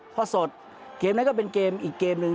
พอสดเกมนั้นก็เป็นเกมอีกเกมหนึ่ง